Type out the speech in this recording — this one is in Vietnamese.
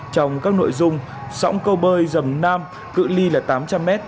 trong các nội dung sóng câu bơi dầm nam cự li là tám trăm linh m